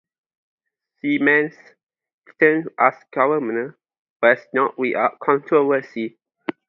Seaman's term as governor was not without controversy.